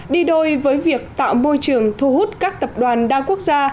đi đôi với việc tạo môi trường thu hút các tập đoàn đa quốc gia